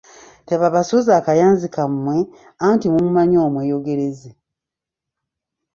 Tebabasuuza akayanzi kammwe, anti mumumanyi omweyogereze!